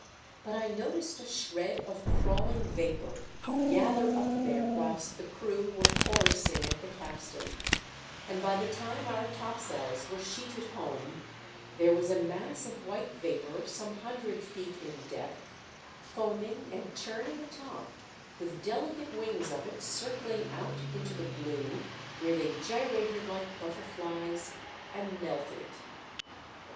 But I noticed a shred of crawling vapour gather up there whilst the crew were chorussing at the capstan, and by the time our topsails were sheeted home there was a mass of white vapour some hundred, feet in depth, foaming and churning atop, with delicate winsfs of It clrcllno out into the blue, where they gyrated like butterflies and melted.